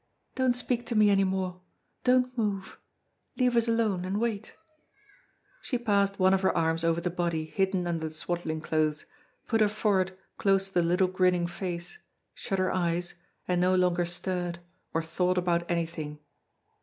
Don't speak to me any more don't move leave us alone, and wait." She passed one of her arms over the body hidden under the swaddling clothes, put her forehead close to the little grinning face, shut her eyes, and no longer stirred, or thought about anything.